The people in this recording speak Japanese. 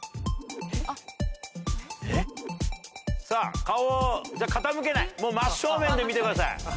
さぁ顔を傾けない真っ正面で見てください。